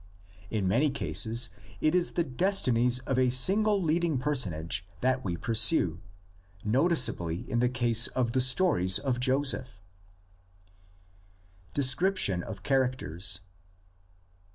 — In many cases it LITERARY FORM OF THE LEGENDS. 53 is the destinies of a single leading personage that we pursue, noticeably in the case of the stories of Joseph. DESCRIPTION OF CHARACTERS.